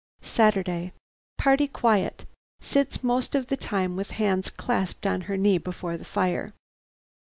"Saturday. "Party quiet. Sits most of the time with hands clasped on her knee before the fire.